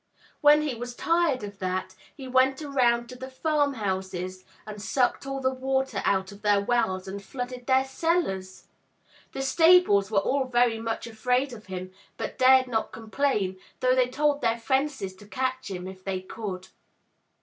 When he was tired of that, he went around to the farm houses, and sucked all the water out of their wells, and flooded their cellars. The stables were all very much afraid of him, but dared not complain, though they told their fences to catch him if they could.